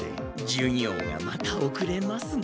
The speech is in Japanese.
授業がまたおくれますね。